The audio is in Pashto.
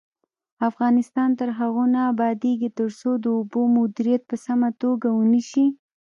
افغانستان تر هغو نه ابادیږي، ترڅو د اوبو مدیریت په سمه توګه ونشي.